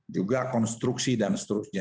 juga konstruksi dan seterusnya